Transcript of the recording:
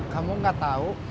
kamu gak tau